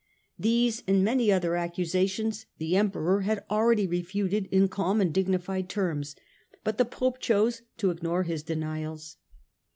These and many other accusations the Emperor had already refuted in calm and dignified terms, but the Pope chose to ignore his denials.